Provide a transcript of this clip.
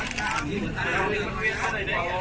สวัสดีครับ